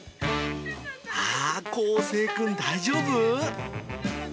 ああ、こうせいくん、大丈夫？